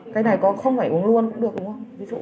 cái này có không phải uống luôn cũng được không